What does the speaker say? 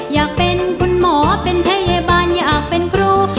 อยากเป็นคุณหมอเป็นพยาบาลอยากเป็นครู